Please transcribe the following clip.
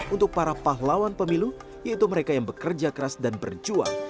untuk para pahlawan pemilu yaitu mereka yang bekerja keras dan berjuang